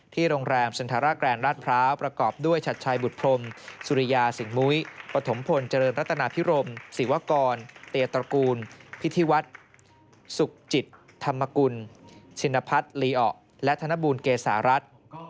โรงแรมสุนทราแกรนด์ราชพร้าวประกอบด้วยชัดชัยบุตรพรมสุริยาสิงหมุ้ยปฐมพลเจริญรัตนาพิรมศิวกรเตียตระกูลพิธีวัฒน์สุขจิตธรรมกุลชินพัฒน์ลีอะและธนบูลเกษารัฐ